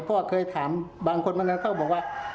เพราะว่าเคยถามบางคนบางทีเขาก็บอกว่า